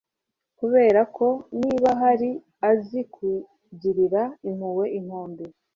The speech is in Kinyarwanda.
Kuberako niba yari azi kugirira impuhwe inkombe